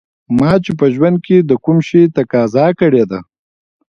ما چې په ژوند کې د کوم شي تقاضا کړې ده